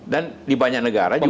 dan di banyak negara juga ini